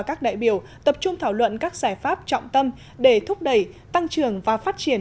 các đại biểu tập trung thảo luận các giải pháp trọng tâm để thúc đẩy tăng trưởng và phát triển